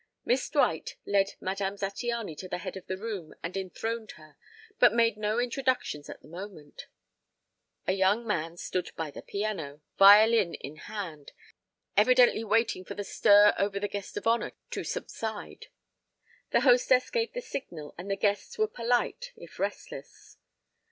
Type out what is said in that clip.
Miss Dwight led Madame Zattiany to the head of the room and enthroned her, but made no introductions at the moment; a young man stood by the piano, violin in hand, evidently waiting for the stir over the guest of honor to subside. The hostess gave the signal and the guests were polite if restless.